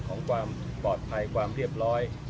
ของความปลอดภัยความเรียบร้อย